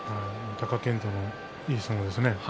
貴健斗のいい相撲ですね。